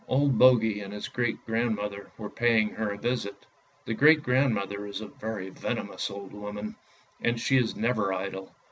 Old Bogey and his great grandmother were paying her a visit. The great grandmother is a very venomous old woman, and she is never idle.